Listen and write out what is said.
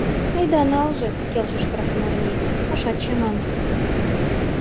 Айда налже, — келшыш красноармеец, ышат чамане.